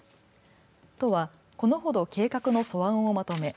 都はこのほど計画の素案をまとめ